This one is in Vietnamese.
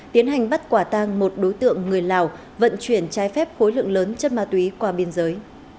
tiến hành bắt quả tang một đối tượng người lào vận chuyển trái phép khối lượng lớn chất ma túy qua biên giới